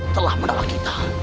telah menolong kita